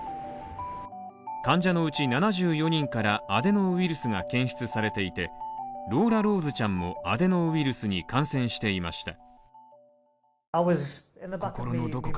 患者のうち７４人からアデノウイルスが検出されていてローラローズちゃんもアデノウイルスに感染していました。